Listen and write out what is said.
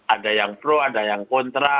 ada yang pro ada yang kontra